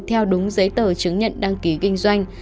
theo đúng giấy tờ chứng nhận đăng ký kinh doanh